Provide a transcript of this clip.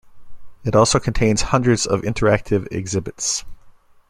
It also contains hundreds of interactive exhibits.